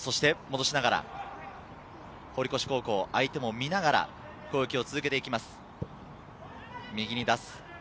堀越高校、相手を見ながら攻撃を続けていきます。